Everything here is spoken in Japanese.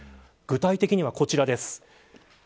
具体的には、こちらです。